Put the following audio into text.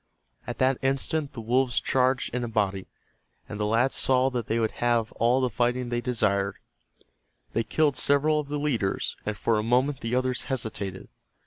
At that instant the wolves charged in a body, and the lads saw that they would have all the fighting they desired. They killed several of the leaders, and for a moment the others hesitated.